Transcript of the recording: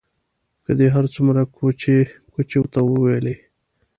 که دې هر څومره کوچې کوچې ورته وویلې.